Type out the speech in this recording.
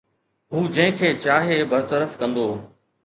هو جنهن کي چاهي برطرف ڪندو